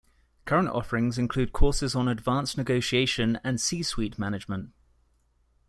Current offerings include courses on "Advanced Negotiation" and "C-Suite Management".